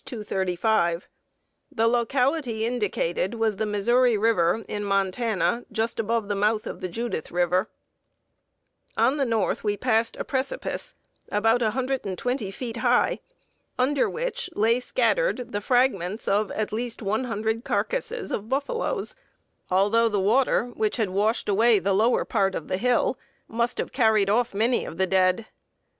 The locality indicated was the Missouri River, in Montana, just above the mouth of Judith River: "On the north we passed a precipice about 120 feet high, under which lay scattered the fragments of at least one hundred carcasses of buffaloes, although the water which had washed away the lower part of the hill, must have carried off many of the dead.